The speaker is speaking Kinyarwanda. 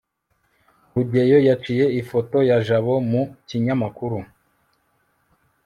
rugeyo yaciye ifoto ya jabo mu kinyamakuru